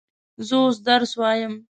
زه اوس درس وایم.